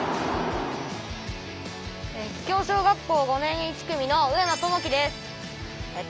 桔梗小学校５年１組の上間友輝です。